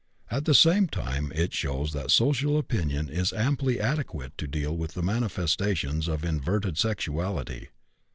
At the same time it shows that social opinion is amply adequate to deal with the manifestations of inverted sexuality.